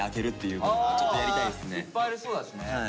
いっぱいありそうだしね。